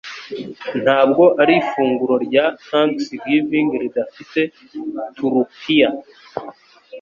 Ntabwo ari ifunguro rya Thanksgiving ridafite turukiya